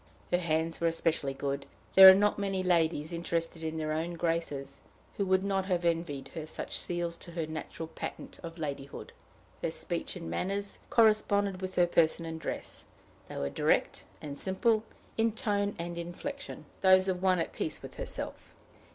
Her hands were especially good. There are not many ladies, interested in their own graces, who would not have envied her such seals to her natural patent of ladyhood. Her speech and manners corresponded with her person and dress; they were direct and simple, in tone and inflection, those of one at peace with herself.